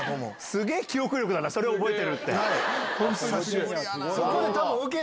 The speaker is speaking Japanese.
すげえ記憶力だな、それ覚えてるって。